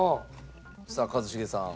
さあ一茂さん。